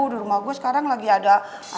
di rumah gue sekarang lagi ada